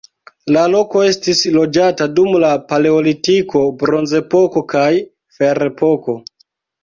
La loko estis loĝata dum la paleolitiko, bronzepoko kaj ferepoko.